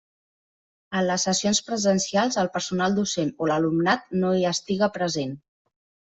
En les sessions presencials, el personal docent o l'alumnat no hi estiga present.